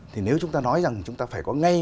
thì nếu chúng ta nói rằng chúng ta phải có ngay